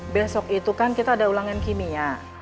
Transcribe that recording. besok itu kan kita ada ulangan kimia